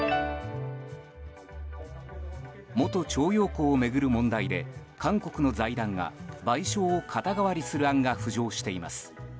元徴用工を巡る問題で韓国の財団が賠償を肩代わりする案が浮上しています。